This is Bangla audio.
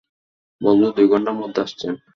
বললো দুই ঘন্টার মধ্যে আসছেন।